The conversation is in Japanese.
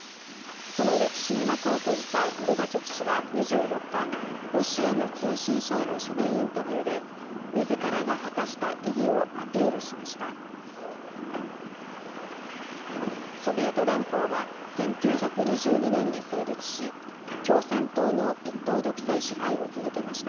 その歴史に幕を閉じたゴルバチョフ氏は２４日、ロシアの通信社への書面インタビューで、みずからが果たした意義をアピールしました。